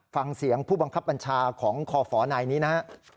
ฟังเสียงผู้บังคับบัญชาของคอฝนายนี้นะฮะ